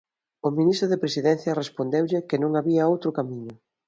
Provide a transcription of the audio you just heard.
O ministro de Presidencia respondeulle que non había outro camiño.